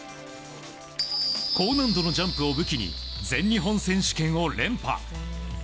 高難度のジャンプを武器に全日本選手権を連破。